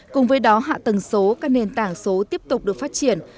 cùng với đó hạ tầng số các nền tảng số tiếp tục được phát triển